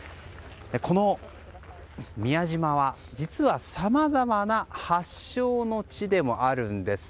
この宮島は、実はさまざまな発祥の地でもあるんです。